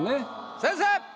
先生！